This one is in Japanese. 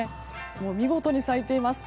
見事に咲いています。